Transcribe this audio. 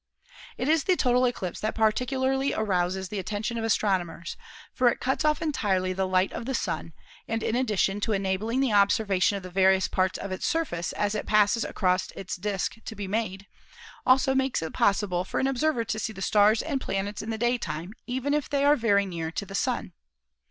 It is the total eclipse that particularly arouses the atten tion of astronomers, for it cuts off entirely the light of the Sun, and in addition to enabling the observation of the various parts of its surface as it passes across its disk to be made, also makes it possible for an observer to see the stars and planets in the daytime even if they are very near the Sun.